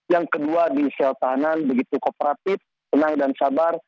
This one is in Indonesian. yang kedua di sel tahanan begitu kooperatif tenang dan sabar